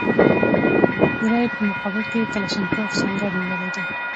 د رایې په مقابل کې کلاشینکوف سنګر نیولی دی.